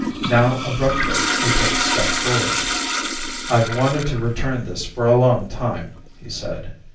Now abruptly he took a step forward. "I've wanted to return this for a long time," he said.